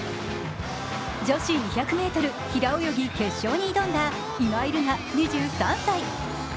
女子２００ｍ平泳ぎ決勝に挑んだ今井月２３歳。